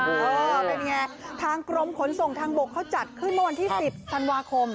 เออเป็นไงทางกรมขนส่งทางบกเขาจัดขึ้นเมื่อวันที่๑๐ธันวาคม